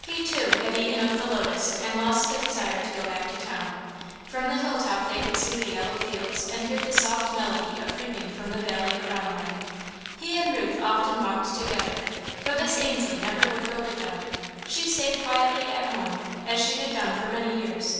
He, too, had eaten of the lotus and lost the desire to go back to town. From the hilltop they could see the yellow fields and hear the soft melody of reaping from the valley around them. He and Ruth often walked together, but Miss Ainslie never would go with them. She stayed quietly at home, as she had done for many years.